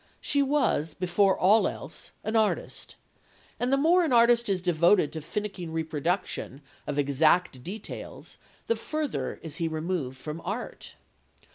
She was, before all else, an artist, and the more an artist is devoted to finicking reproduction of exact details the further is he removed from art.